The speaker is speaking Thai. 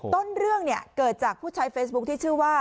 ต้นเรื่องเนี่ยเกิดจากผู้ใช้เฟซบุ๊คที่ชื่อว่า